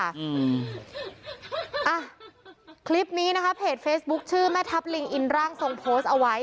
อ่ะคลิปนี้นะคะเพจเฟซบุ๊คชื่อแม่ทัพลิงอินร่างทรงโพสต์เอาไว้